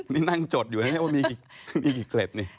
นี่นั่งจดอยู่นะว่ามีกี่เกล็ดนี่